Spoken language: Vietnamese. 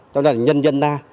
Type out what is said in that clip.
cho nên là nhân dân ta